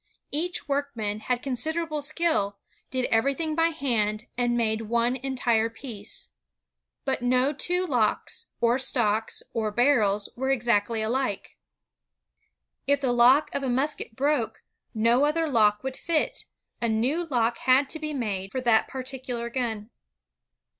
Each workman had considerable skill, did everything by hand, and made one entire piece. But no two locks, or stocks, or barrels were exactly alike. FLINTLOCK GUN If the lock of a musket broke, no other lock would fit; a new lock had to be made for that particular gun.